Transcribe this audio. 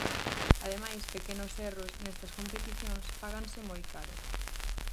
Ademais, pequenos erros, nestas competicións, páganse moi caro.